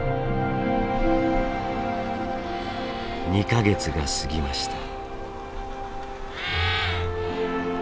２か月が過ぎました。